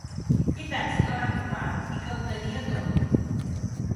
I tant si la van trobar,, i que ho tenia tot